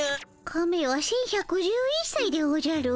カメは１，１１１さいでおじゃる。